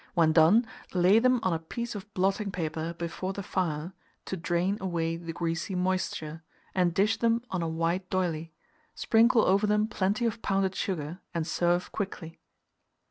When done, lay them on a piece of blotting paper before the fire, to drain away the greasy moisture, and dish them on a white d'oyley; sprinkle over them plenty of pounded sugar, and serve quickly.